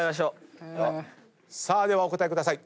ではお答えください。